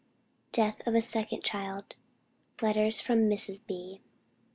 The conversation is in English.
DEATH OF A SECOND CHILD. LETTERS FROM MRS. B.